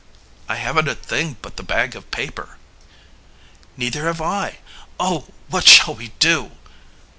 "I haven't a thing but the bag of paper." "Neither have I. Oh, what shall we do?"